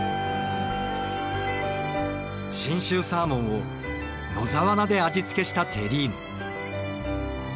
信州サーモンを野沢菜で味付けしたテリーヌ。